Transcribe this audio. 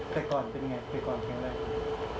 แต่ก่อนเป็นอย่างไรแต่ก่อนแข็งแรก